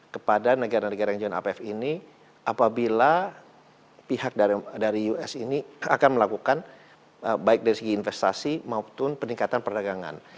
kepada negara negara yang join ipf ini apabila pihak dari us ini akan melakukan baik dari segi investasi maupun peningkatan perdagangan